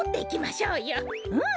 うん。